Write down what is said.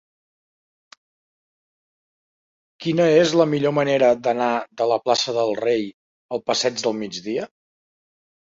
Quina és la millor manera d'anar de la plaça del Rei al passeig del Migdia?